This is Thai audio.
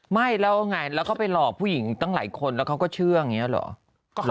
ไม่แล้วไงแล้วก็ไปหลอกผู้หญิงตั้งหลายคนแล้วเขาก็เชื่ออย่างนี้เหรอ